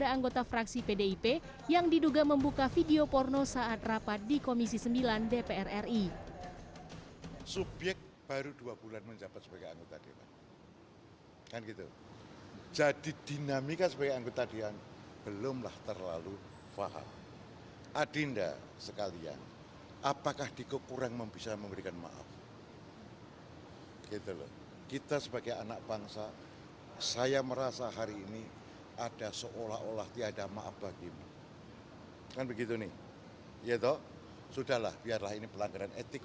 anggota fraksi pdip yang diduga membuka video porno saat rapat di komisi sembilan dpr ri